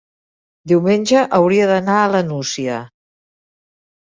Diumenge hauria d'anar a la Nucia.